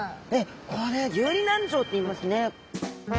これ遊離軟条っていいますね。